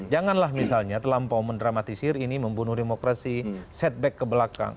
janganlah misalnya terlampau mendramatisir ini membunuh demokrasi setback ke belakang